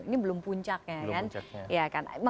ini belum puncaknya kan